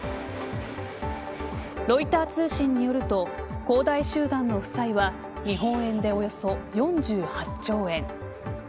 ロイター通信によると恒大集団の負債は日本円でおよそ４８兆円。